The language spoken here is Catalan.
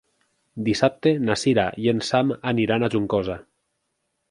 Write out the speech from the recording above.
Dissabte na Cira i en Sam aniran a Juncosa.